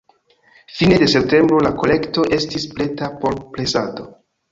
Fine de septembro la kolekto estis preta por presado.